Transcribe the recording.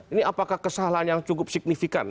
ini apakah kesalahan yang cukup signifikan